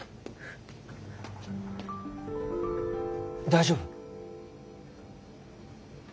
大丈夫？